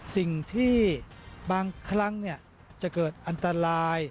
สิ่งที่บางครั้งจะเกิดอันตราย